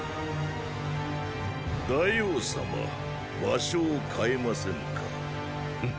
大王様場所をかえませぬか。！